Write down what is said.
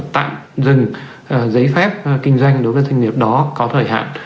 tạm dừng giấy phép kinh doanh đối với doanh nghiệp đó có thời hạn